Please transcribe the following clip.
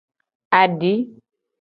Adi.